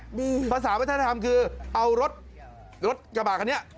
ภาษาวัฒนธรรมคือเอารถรถกระบะคันนี้